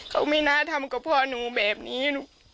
เขาไม่น่าทำกับพ่อหนูแบบนี้